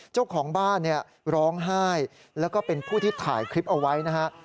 เจ้าของบ้านเนี่ยร้องไห้แล้วก็เป็นผู้ที่ถ่ายคลิปเอาไว้นะฮะ